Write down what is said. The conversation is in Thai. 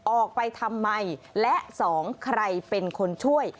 ออกไปทำไมและสองใครเป็นคนช่วย